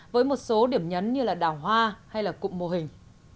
với một số điểm nhấn như là đảo hoa hay là cụm mô hình